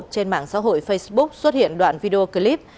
trên mạng xã hội facebook xuất hiện đoạn video clip